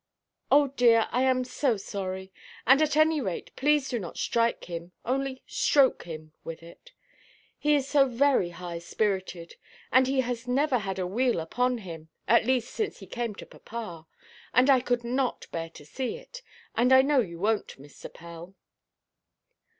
"Oh dear, I am so sorry. At any rate please not to strike him, only stroke him with it. He is so very high–spirited. And he has never had a weal upon him, at least since he came to papa. And I could not bear to see it. And I know you wonʼt, Mr. Pell."